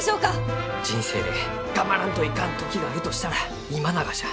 人生で頑張らんといかん時があるとしたら今ながじゃ。